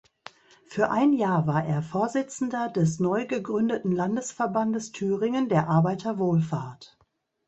Für ein Jahr war er Vorsitzender des neugegründeten Landesverbandes Thüringen der Arbeiterwohlfahrt.